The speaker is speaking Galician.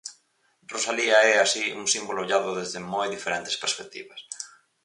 Rosalía é, así, un símbolo ollado desde moi diferentes perspectivas.